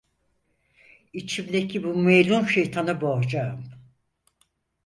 İçimdeki bu melun şeytanı boğacağım!